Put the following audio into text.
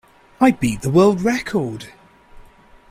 I beat the world record!